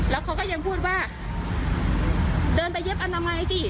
แล้วเขาก็ยังพูดว่าเดินไปเย็บอนามัยสิ